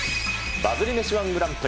バズり飯ー１グランプリ。